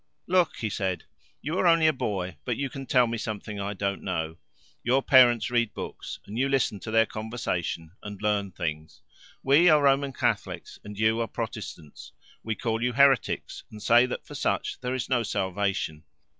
"Look," he said, "you are only a boy, but you can tell me something I don't know. Your parents read books, and you listen to their conversation and learn things. We are Roman Catholics, and you are Protestants. We call you heretics and say that for such there is no salvation.